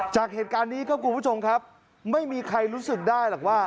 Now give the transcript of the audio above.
จากเหตุการณ์นี้ครับคุณผู้ชมครับไม่มีใครรู้สึกได้หรอกว่า